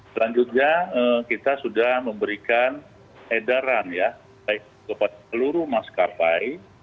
selanjutnya kita sudah memberikan edaran kepada seluruh maskapai